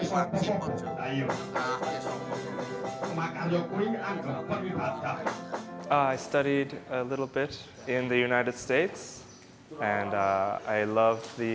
saya sudah belajar sedikit di amerika serikat